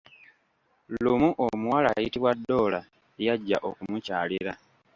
Lumu omuwala ayitibwa Doola yajja okumukyalira.